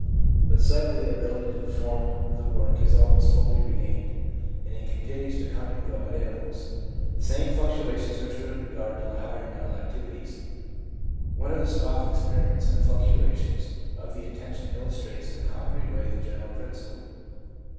But suddenly the ability to perform the 358 THE PSYCHOLOGY OF RELIGION work is almost fully regained, and it continues to come and go at intervals. The same fluctuations are true in regard to the higher mental activities. One of the stock experiments on fluctuations of the attention illustrates in a concrete way the general principle.